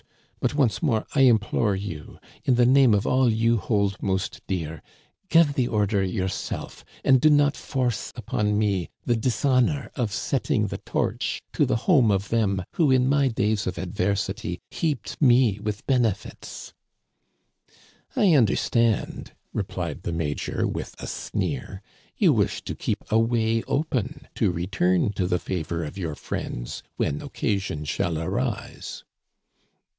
But once more I implore you, in the name of all you hold most dear, give the order yourself, and do not force upon me the dishonor of setting the torch to the home of them who in my days of adversity heaped me with benefits." "I understand," replied the major, with a sneer, you wish to keep a way open to return to the favor of your friends when occasion shall arise."